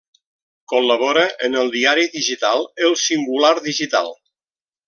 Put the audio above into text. Col·labora en el diari digital El Singular Digital.